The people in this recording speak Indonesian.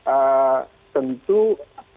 nah tentu mobilitas ini menjadi semakin berkeliling